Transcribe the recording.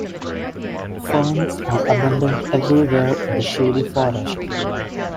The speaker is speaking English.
Ferns are abundant everywhere in the shady forest.